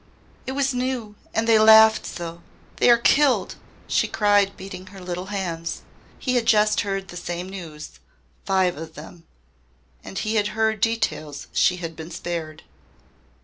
"It was new and they laughed so! They are killed!" she cried beating her little hands. He had just heard the same news. Five of them! And he had heard details she had been spared.